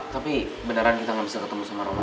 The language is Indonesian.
tapi beneran kita gak bisa ketemu sama roman